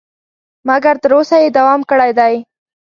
مګر تر اوسه یې دوام کړی دی.